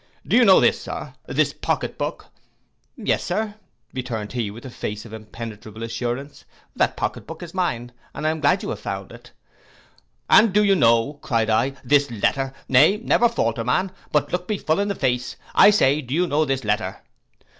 Do you know this, Sir, this pocket book?'—'Yes, Sir,' returned he, with a face of impenetrable assurance, 'that pocket book is mine, and I am glad you have found it.'—'And do you know,' cried I, 'this letter? Nay, never falter man; but look me full in the face: I say, do you know this letter?